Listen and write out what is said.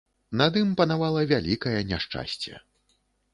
Над ім панавала вялікае няшчасце.